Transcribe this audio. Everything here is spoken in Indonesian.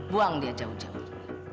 buang dia jauh jauh